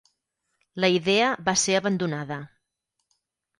La idea va ser abandonada.